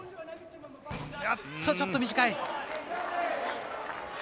ちょっと短い。